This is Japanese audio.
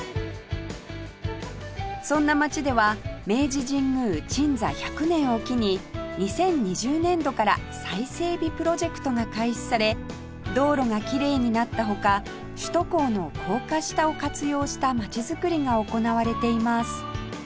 そんな町では明治神宮鎮座１００年を機に２０２０年度から再整備プロジェクトが開始され道路がきれいになった他首都高の高架下を活用した町づくりが行われています